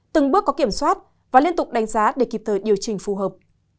từng bước có kiểm soát và liên tục đánh giá để kịp thời điều chỉnh phù hợp